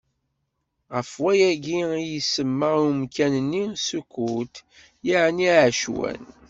Ɣef wayagi i yesemma i umkan-nni Sukut, yeɛni iɛecwan.